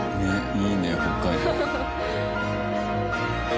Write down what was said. いいね北海道。